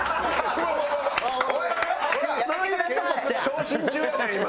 傷心中やねん今。